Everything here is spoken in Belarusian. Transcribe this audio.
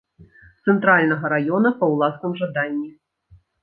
Цэнтральнага раёна па ўласным жаданні.